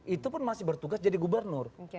itu pun masih bertugas jadi gubernur